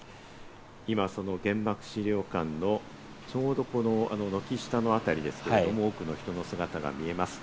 今その原爆資料館のちょうど軒下の辺りですけれども、姿が見えます。